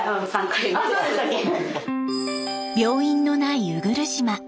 病院のない鵜来島。